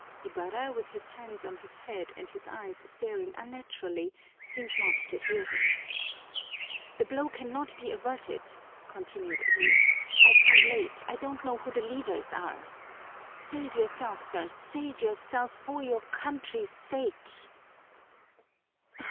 Ibarra, with his hands on his head and his eyes staring unnaturally, seemed not to hear him. "The blow cannot be averted," continued Elias. "I've come late, I don't know who the leaders are. Save yourself, sir, save yourself for your country's sake!"